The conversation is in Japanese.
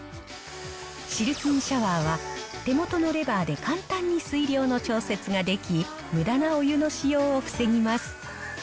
シルキーシャワーは、手元のレバーで簡単に水量の調節ができ、むだなお湯の使用を防ぎます。